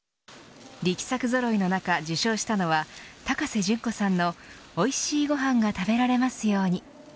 力作ぞろいの中、受賞したのは高瀬隼子さんのおいしいごはんが食べられますように。